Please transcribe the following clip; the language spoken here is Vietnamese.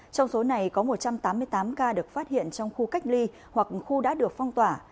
trong số này có một trăm tám mươi tám ca được phát hiện trong khu cách ly hoặc khu đã được phong tỏa